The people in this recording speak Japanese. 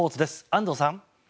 安藤さん。